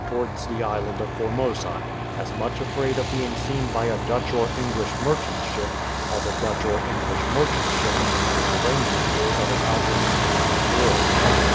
towards the island of Formosa, as much afraid of being seen by a Dutch or English merchant ship as a Dutch or English merchant ship in the Mediterranean is of an Algerine man of war.